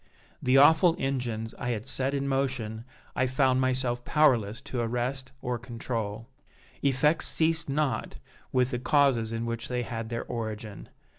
The awful engines I had set in motion I found myself powerless to arrest or control. Effects ceased not with the causes in which they had their origin.